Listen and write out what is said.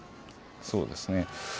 そうですね。